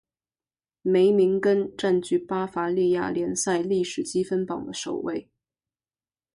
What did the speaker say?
梅明根占据巴伐利亚联赛历史积分榜的首位。